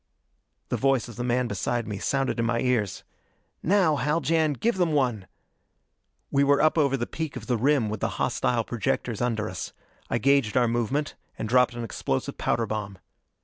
The voice of the man beside me sounded in my ears: "Now, Haljan, give them one!" We were up over the peak of the rim with the hostile projectors under us. I gauged our movement, and dropped an explosive powder bomb.